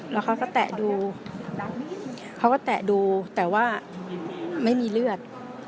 แล้วเขาก็แตะดูแต่ว่าไม่มีเลือด